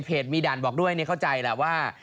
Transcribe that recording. เพจมีด่านบอกด้วยนี่เข้าใจแล้วว่า